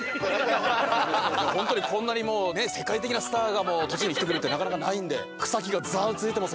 本当にこんなにもうね世界的なスターが栃木に来てくれるってなかなかないんで草木がざわついてます